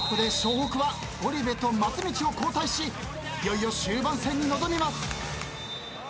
北はゴリ部と松道を交代しいよいよ終盤戦に臨みます。